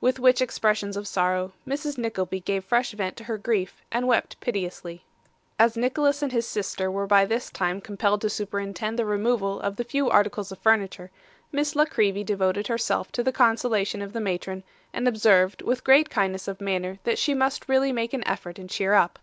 With which expressions of sorrow, Mrs. Nickleby gave fresh vent to her grief, and wept piteously. As Nicholas and his sister were by this time compelled to superintend the removal of the few articles of furniture, Miss La Creevy devoted herself to the consolation of the matron, and observed with great kindness of manner that she must really make an effort, and cheer up.